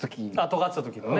とがってたときのね。